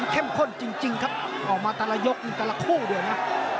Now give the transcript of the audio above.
เข้มข้นจริงครับออกมาแต่ละยกอีกแต่ละคู่ด้วยนะ